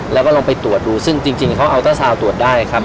แล้วก็ลองไปตรวจดูซึ่งจริงเขาอัลเตอร์ซาวน์ตรวจได้ครับ